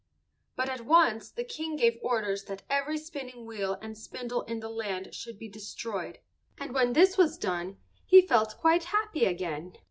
But at once the King gave orders that every spinning wheel and spindle in the land should be destroyed, and when this was done he felt quite happy again.